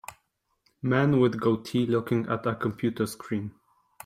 Man with goatee looking at a computer screen.